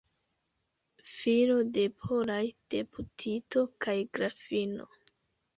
Filo de polaj deputito kaj grafino.